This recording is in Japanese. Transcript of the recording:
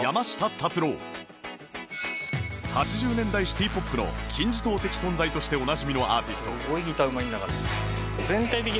８０年代シティポップの金字塔的存在としておなじみのアーティスト